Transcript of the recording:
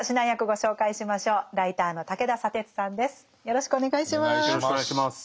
よろしくお願いします。